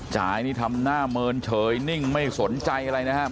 จ่ายนี่ทำหน้าเมินเฉยนิ่งไม่สนใจอะไรนะครับ